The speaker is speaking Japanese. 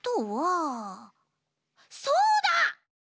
そうだ！